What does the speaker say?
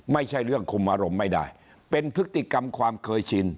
ไม่ใช่เรื่องคุมอารมณ์ไม่ได้เป็นพฤติกรรมความเคยชิน